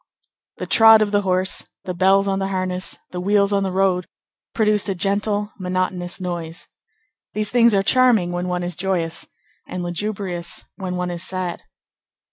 The trot of the horse, the bells on the harness, the wheels on the road, produced a gentle, monotonous noise. These things are charming when one is joyous, and lugubrious when one is sad.